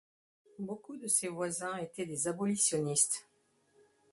Beaucoup de ses voisins étaient des abolitionnistes.